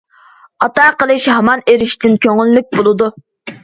‹‹ ئاتا قىلىش ھامان ئېرىشىشتىن كۆڭۈللۈك بولىدۇ››.